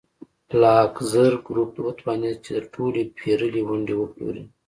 لاکزر ګروپ وتوانېد چې ټولې پېرلې ونډې وپلوري.